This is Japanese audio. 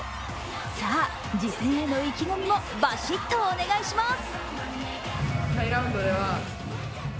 さあ、次戦への意気込みもバシっとお願いします。